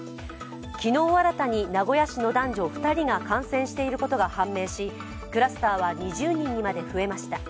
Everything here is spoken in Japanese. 昨日新たに名古屋市の男女２人が感染していることが判明しクラスターは２０人にまで増えました。